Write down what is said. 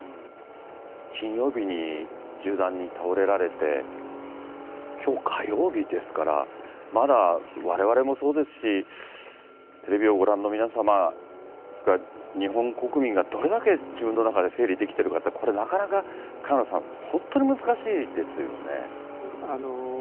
金曜日に銃弾に倒れられて、きょう火曜日ですから、まだわれわれもそうですし、テレビをご覧の皆様、それから日本国民がどれだけ自分の中で整理できてるかって、これ、なかなか萱野さん、本当に難しいですよね。